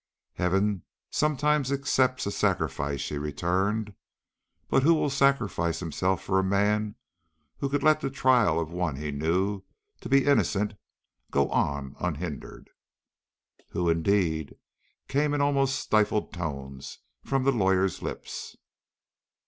"Heaven sometimes accepts a sacrifice," she returned. "But who will sacrifice himself for a man who could let the trial of one he knew to be innocent go on unhindered?" "Who, indeed!" came in almost stifled tones from the lawyer's lips.